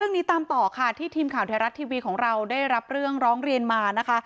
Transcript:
ตามต่อค่ะที่ทีมข่าวไทยรัฐทีวีของเราได้รับเรื่องร้องเรียนมานะคะ